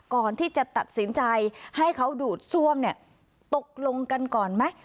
ก่อนที่จะตัดสินใจให้เขาดูดซ่วมเนี่ยตกลงกันก่อนไหม